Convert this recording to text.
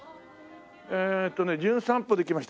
えっとね『じゅん散歩』で来ました